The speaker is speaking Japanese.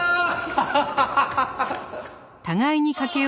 ハハハハ！